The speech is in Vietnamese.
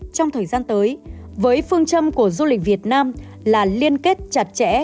trong thời gian tới với phương châm của du lịch việt nam là liên kết chặt chẽ